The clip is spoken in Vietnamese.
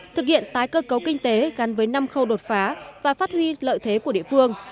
thực hiện tái cơ cấu kinh tế gắn với năm khâu đột phá và phát huy lợi thế của địa phương